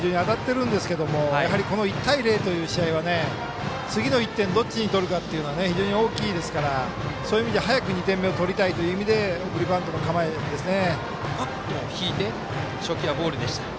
非常に当たってるんですけど１対０という試合は次の１点どっちに取るかというのは非常に大きいですからそう意味では早く次の点が取りたいという意味で送りバントの構えですね。